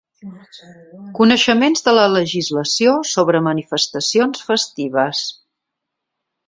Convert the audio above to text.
Coneixements de la legislació sobre manifestacions festives.